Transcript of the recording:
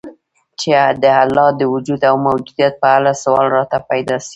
چي د الله د وجود او موجودیت په اړه سوال راته پیدا سي